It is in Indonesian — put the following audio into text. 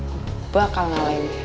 gak bakal ngalahin dia